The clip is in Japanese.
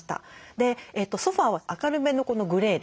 でソファーは明るめのこのグレーで。